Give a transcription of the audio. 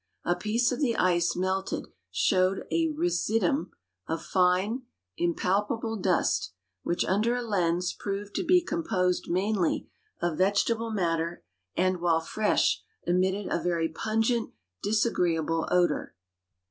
A 2)iece of the ice melted showed a residuum of fine, im{)alpable dust, which under a lens ]'>roved to be composed mainly of vegetable matter and, while fresh, emitted a very pungent, disagreeable odor.